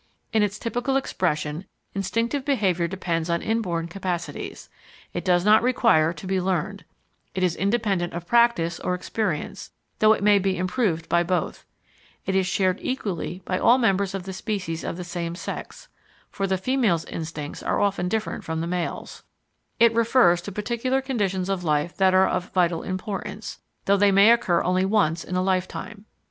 In its typical expression instinctive behaviour depends on inborn capacities; it does not require to be learned; it is independent of practice or experience, though it may be improved by both; it is shared equally by all members of the species of the same sex (for the female's instincts are often different from the male's); it refers to particular conditions of life that are of vital importance, though they may occur only once in a lifetime.